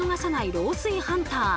漏水ハンター。